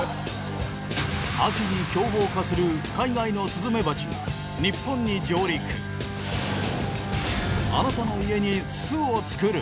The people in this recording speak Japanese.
秋に凶暴化する海外のスズメバチが日本に上陸あなたの家に巣を作る？